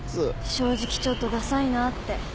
正直ちょっとダサいなって。